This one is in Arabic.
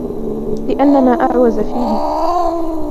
لِأَنَّ مَا أَعْوَزَ فِيهِ